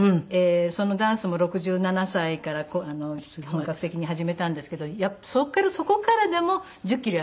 そのダンスも６７歳から本格的に始めたんですけどそこからそこからでも１０キロ痩せましたから。